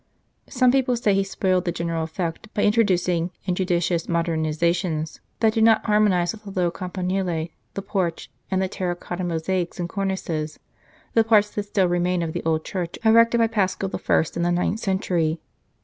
Some people say he spoiled the general effect by introducing injudicious modernizations that do not harmonize with the low campanile, the porch, and the terra cotta mosaics and cornices, the parts that still remain of the old church erected by Paschal I. in the ninth century.